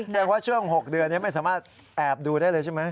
แสดงว่าช่วง๖เดือนนี้ไม่สามารถแอบดูได้เลยใช่ไหม